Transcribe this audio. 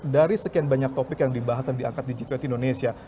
dari sekian banyak topik yang dibahas dan diangkat di g dua puluh indonesia